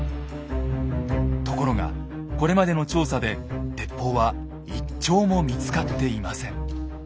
ところがこれまでの調査で鉄砲は１丁も見つかっていません。